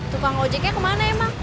tukang ojeknya kemana emang